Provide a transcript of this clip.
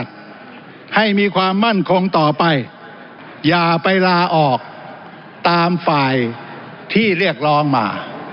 อย่าไปลาออกตามฝ่ายที่เรียกร้องมา